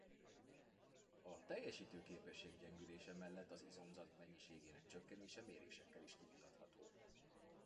A teljesítőképesség gyengülése mellett az izomzat mennyiségének csökkenése mérésekkel is kimutatható.